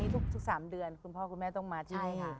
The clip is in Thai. ทุก๓เดือนคุณพ่อคุณแม่ต้องมาช่วย